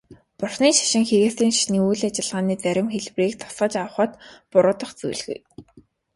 Бурханы шашин христийн шашны үйл ажиллагааны зарим хэлбэрийг тусгаж авахад буруудах зүйлгүй.